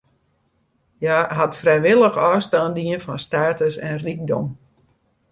Hja hat frijwillich ôfstân dien fan status en rykdom.